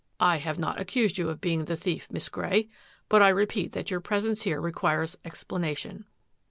" I have not accused you of being the thief. Miss Grey. But I repeat that your presence here re quires explanation."